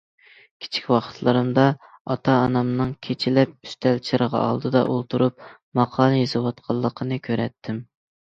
كىچىك ۋاقىتلىرىمدا ئاتامنىڭ كېچىلەپ ئۈستەل چىرىغى ئالدىدا ئولتۇرۇپ ماقالە يېزىۋاتقانلىقىنى كۆرەتتىم.